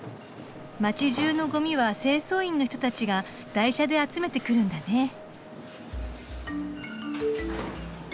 街じゅうのゴミは清掃員の人たちが台車で集めてくるんだね。